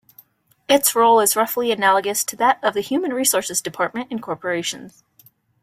Its role is roughly analogous to that of the human resources department in corporations.